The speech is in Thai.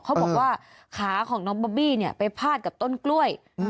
เขาบอกว่าขาของน้องบอบบี้เนี่ยไปพาดกับต้นกล้วย